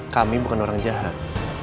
kami bukan orang jahat